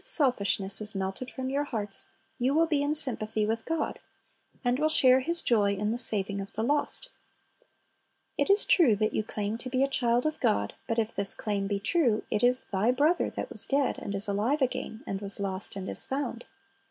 58:6,7 ''Lost, and Is Found'' 21 1 of selfishness is melted from your hearts, you will be in sympathy with God, and will share His joy in the saving of the lost. It is true that you claim to be a child of God; but if this claim be true, it is "thy brother" that was "dead, and is alive again; and was lost, and is found."